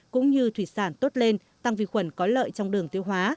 cũng như thủy sản tốt lên tăng vi khuẩn có lợi trong đường tiêu hóa